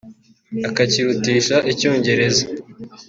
akakirutisha icyongereza